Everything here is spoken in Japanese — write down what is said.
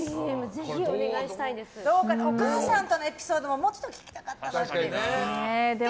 お母さんとのエピソードももうちょっと聞きたかったですね。